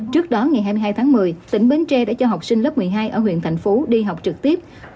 trước đó ngày hai mươi hai tháng một mươi tỉnh bến tre đã cho học sinh lớp một mươi hai ở huyện thành phố đi học trực tiếp